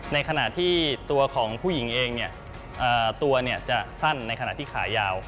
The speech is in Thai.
ในขณะที่ตัวของผู้หญิงเองตัวจะสั้นในขณะที่ขายาว